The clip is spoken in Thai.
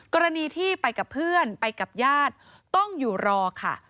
กรณีที่ไปกับเพื่อนไปกับญาติต้องอยู่รอค่ะ